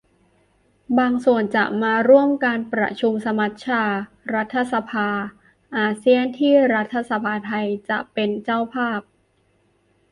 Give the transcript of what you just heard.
บางส่วนจะมาร่วมการประชุมสมัชชารัฐสภาอาเซียน ที่รัฐสภาไทยจะเป็นเจ้าภาพ